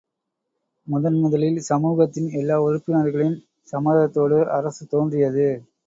முதன் முதலில் சமூகத்தின் எல்லா உறுப்பினர்களின் சம்மதத்தோடு அரசு தோன்றியது.